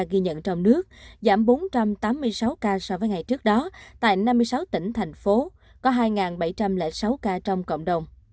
ghi nhận trong nước giảm bốn trăm tám mươi sáu ca so với ngày trước đó tại năm mươi sáu tỉnh thành phố có hai bảy trăm linh sáu ca trong cộng đồng